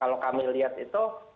kalau kami lihat itu